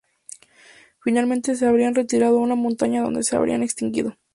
Finalmente se habrían retirado a una montaña donde se habrían extinguido.